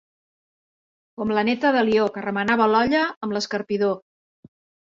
Com la neta d'Alió, que remenava l'olla amb l'escarpidor.